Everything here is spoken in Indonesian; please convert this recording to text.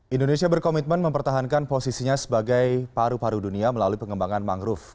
indonesia berkomitmen mempertahankan posisinya sebagai paru paru dunia melalui pengembangan mangrove